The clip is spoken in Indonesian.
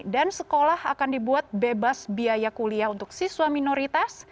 dan sekolah akan dibuat bebas biaya kuliah untuk siswa minoritas